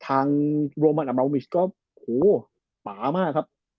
ทางโรมันอัปราโมเวิร์ก็คล้อมากครับ